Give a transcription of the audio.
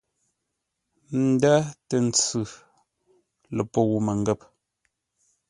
Ndə̂ tə́ ntsʉ ləpəu məngə̂p.